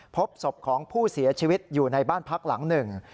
พบศพของผู้เสียชีวิตอยู่ในบ้านพักหลังหนึ่ง